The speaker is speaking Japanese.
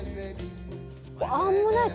アンモナイト？